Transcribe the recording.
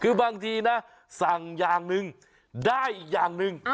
คือบางทีนะสั่งอย่างหนึ่งได้อีกอย่างหนึ่ง